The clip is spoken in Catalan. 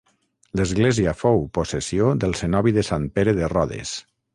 L'església fou possessió del cenobi de Sant Pere de Rodes.